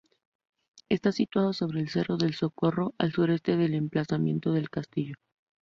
Está situado sobre el cerro del Socorro, al sureste del emplazamiento del castillo.